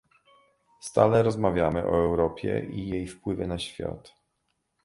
Stale rozmawiamy o Europie i jej wpływie na świat